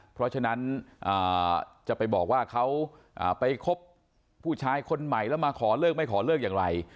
เพราะฉะนั้นจะไปบอกว่าเขาไปคบผู้ชายคนใหม่แล้วมาขอเลิกไม่ขอเลิกอย่างไร